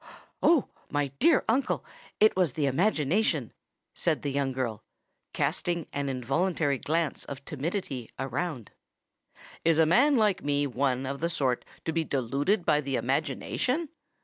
"Oh! my dear uncle, it was the imagination," said the young girl, casting an involuntary glance of timidity around. "Is a man like me one of the sort to be deluded by the imagination?"